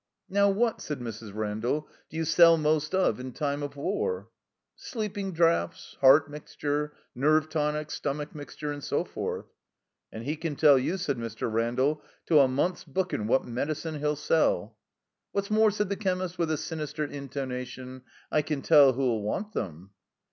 '* "Now what," said Mrs. Randall, "do you sell most of in time of war?" "Sleepin' draughts, heart mixture, nerve tonic, stomach mixture, and so forth." "And he can tell you," said Mr. Randall, "to a month's bookin' what meddydne he'll sell." "What's more," said the chemist, with a sinister intonation, "I can tell who'll want 'em."